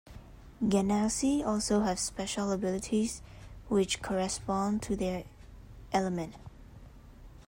Genasi also have special abilities which correspond to their element.